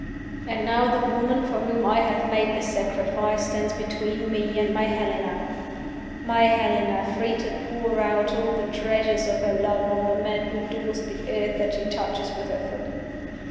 "And now the woman for whom I have made this sacrifice stands between me and my Helena my Helena, free to pour out all the treasures of her love on the man who adores the earth that she touches with her foot!